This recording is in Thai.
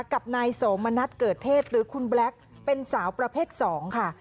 กับนายโสมณัฐเกิดเทพหรือคุณแบล็คเป็นสาวประเภท๒ค่ะ